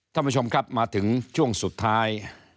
ท่านผู้ชมครับมาถึงช่วงสุดท้าย